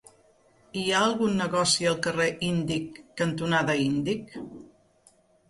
Hi ha algun negoci al carrer Índic cantonada Índic?